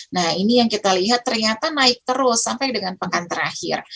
nah ini yang kita lihat ternyata naik terus sampai dengan pekan terakhir